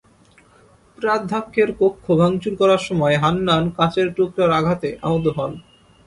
প্রাধ্যক্ষের কক্ষ ভাঙচুর করার সময় হান্নান কাচের টুকরার আঘাতে আহত হন।